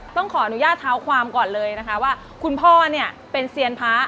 ต้องขออนุญาตเท้าความก่อนเลยนะคะว่าคุณพ่อเนี่ยเป็นเซียนพระ